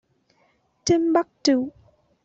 Timbuktu!